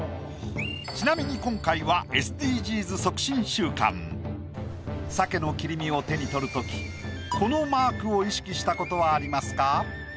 ちなみに今回は鮭の切り身を手に取る時このマークを意識した事はありますか？